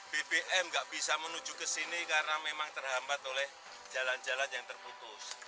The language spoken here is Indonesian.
bbm nggak bisa menuju ke sini karena memang terhambat oleh jalan jalan yang terputus